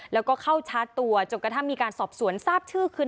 แล้วก็เข้าชาร์จตัวจนกระทั่งมีการสอบสวนทราบชื่อคือ